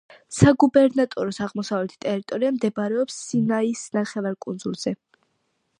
საგუბერნატოროს აღმოსავლეთი ტერიტორია მდებარეობს სინაის ნახევარკუნძულზე.